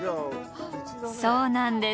そうなんです。